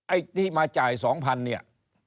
ไอ้ที่มาจ่าย๒๐๐เนี่ย